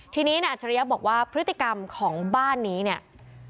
ทีนี้นายอัจฉริยะบอกว่าพฤติกรรมของบ้านนี้เนี่ย